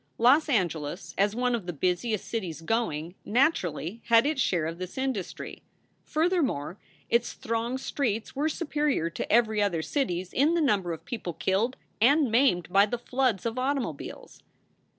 Los Angeles, as one of the busiest cities going, naturally had its share of this industry; furthermore, its thronged streets were superior to every other city s in the number of people killed and maimed by the floods of automobiles.